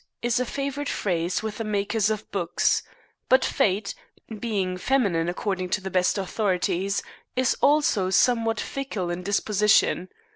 is a favorite phrase with the makers of books; but Fate, being feminine according to the best authorities, is also somewhat fickle in disposition.